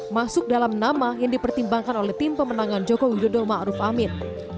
masuk dalam nama yang dipertimbangkan oleh tim pemenangan jokowi dodo ma'ruf amin